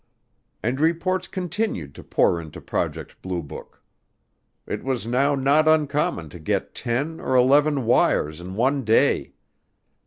And reports continued to pour into Project Blue Book. It was now not uncommon to get ten or eleven wires in one day.